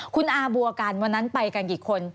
คุณอาบัวกันวันนั้นไปกันกี่คน